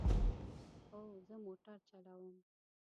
هو، زه موټر چلوم